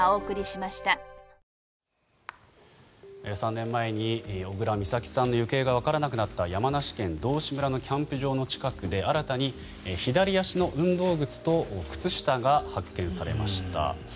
３年前に小倉美咲さんの行方がわからなくなった山梨県道志村のキャンプ場の近くで新たに左足の運動靴と靴下が発見されました。